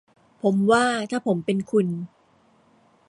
ผมว่า ถ้าผมเป็นคุณ